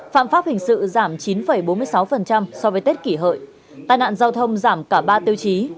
phạm pháp hình sự giảm chín bốn mươi sáu so với tết kỷ hợi tai nạn giao thông giảm cả ba tiêu chí